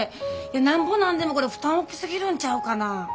なんぼなんでもこれ負担大きすぎるんちゃうかな。